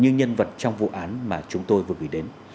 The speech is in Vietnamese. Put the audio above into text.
như nhân vật trong vụ án mà chúng tôi vừa gửi đến